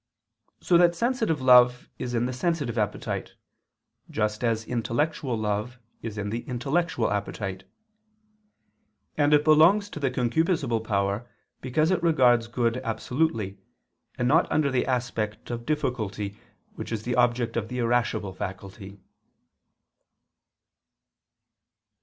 So that sensitive love is in the sensitive appetite, just as intellectual love is in the intellectual appetite. And it belongs to the concupiscible power, because it regards good absolutely, and not under the aspect of difficulty, which is the object of the irascible faculty.